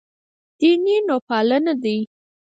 دیني نوپالنه دی.